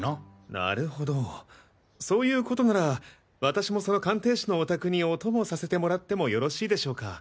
なるほどそういう事なら私もその鑑定士のお宅にお供させてもらってもよろしいでしょうか？